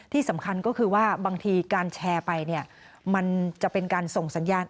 ที่สำคัญก็คือว่าบางทีการแชร์ไปเนี่ยมันจะเป็นการส่งสัญญาณ